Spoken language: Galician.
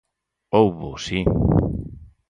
Hóuboo, si.